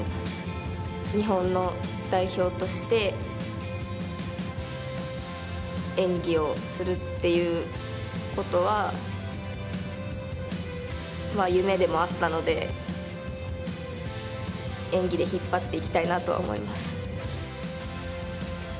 日本の代表として演技をするっていうことは夢でもあったので演技で引っ張っていきたいなとは思います。